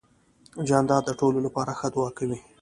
جانداد د ټولو لپاره ښه دعا کوي.